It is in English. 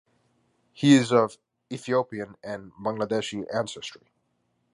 He is of Ethiopian and Bangladeshi ancestry.